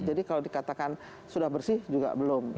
jadi kalau dikatakan sudah bersih juga belum